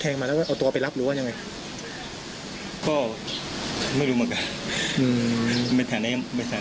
แต่มันไปช่วงชุดละมุนเนี่ยเนอะ